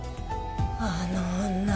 あの女。